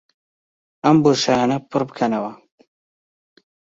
ئەم بۆشایییانە پڕ بکەنەوە